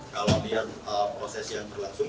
kalau lihat proses yang berlangsung